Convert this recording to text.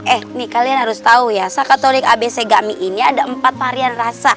eh nih kalian harus tau ya sakatonik abc gummy ini ada empat varian rasa